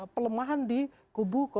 pelemahan di kubu dua